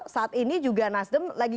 saat ini juga nasdem lagi